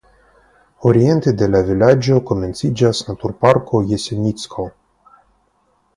Oriente de la vilaĝo komenciĝas naturparko Jesenicko.